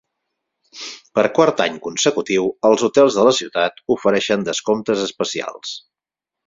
Per quart any consecutiu, els hotels de la ciutat ofereixen descomptes especials.